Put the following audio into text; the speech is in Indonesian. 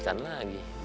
ya ampun bang alif